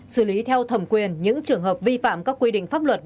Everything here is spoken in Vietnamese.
xử lý theo thẩm quyền những trường hợp vi phạm các quy định pháp luật